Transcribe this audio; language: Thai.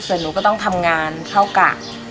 เสริญหนูก็ต้องทำงานเท่ากัก